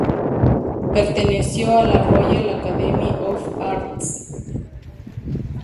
Perteneció a la "Royal Academy of Arts".